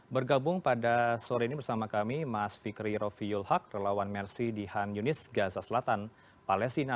bergabung pada sore ini bersama kami mas fikri rofi yulhak relawan mersi di ham yunis gaza selatan palestina